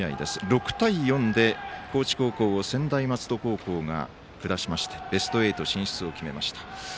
６対４で高知高校を専大松戸高校が下しましてベスト８進出を決めました。